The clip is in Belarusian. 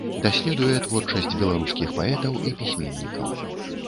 Даследуе творчасць беларускіх паэтаў і пісьменнікаў.